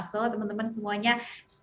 so teman teman semuanya stay safe